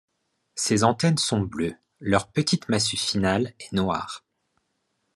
Ses antennes sont bleues, leur petite massue finale est noire.